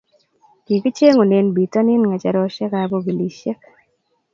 kikicheng'unen bitonin ng'echeresiekab okilisiek